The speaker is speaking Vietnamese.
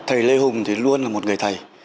thầy lê hùng thì luôn là một người thầy